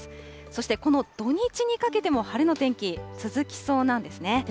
そしてこの土日にかけても晴れの天気続きそうなんですね。